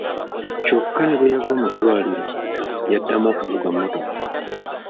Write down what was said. Kyokka ne bwe yava mu ddwaliro, yaddamu okuvuga mmotoka.